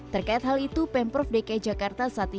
terkait hal itu pemprov dki jakarta saat ini